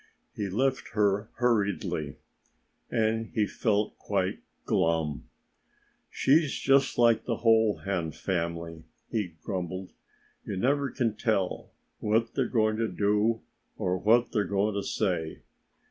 He left her hurriedly. And he felt quite glum. "She's just like the whole Hen family," he grumbled. "You never can tell what they're going to do or what they're going to say.